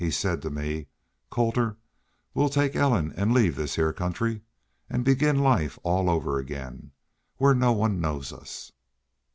He said to me, 'Colter, we'll take Ellen an' leave this heah country an' begin life all over again where no one knows us.'"